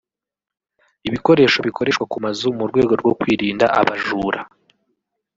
ibikoresho bikoreshwa ku mazu mu rwego rwo kwirinda abajura